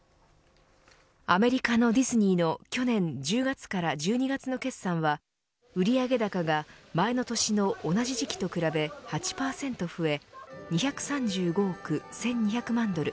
アメリカのディズニーの去年１０月から１２月の決算は売上高が前の年の同じ時期と比べ８％増え２３５億１２００万ドル。